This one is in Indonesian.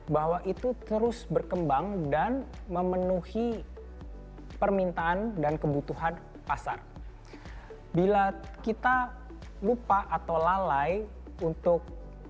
bahwa itu terus berkembang dan memenuhi permintaan dan kebutuhan pasar bila kita lupa atau lalai untuk